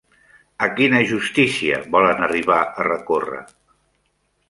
A quina justícia volen arribar a recórrer?